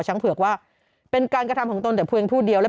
เผือกว่าเป็นการกระทำของตนแต่เพียงผู้เดียวและ